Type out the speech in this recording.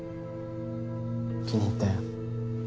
気に入ったよ。